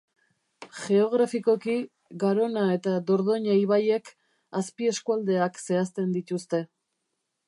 Geografikoki, Garona eta Dordoina ibaiek azpieskualdeak zehazten dituzte.